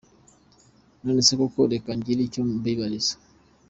None se koko reka ngire icyo mbibariza: